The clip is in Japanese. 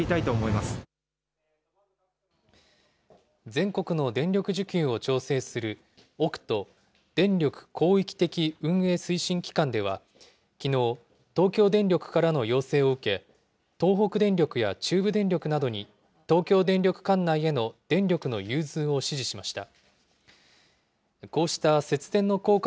全国の電力需給を調整する、オクト・電力広域的運営推進機関では、きのう、東京電力からの要請を受け、東北電力や中部電力などに、東京電力管内への電力の融通を指示しました。